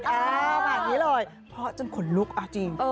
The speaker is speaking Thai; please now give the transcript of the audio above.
แบบนี้เลยเพราะจนขนลุกเอาจริง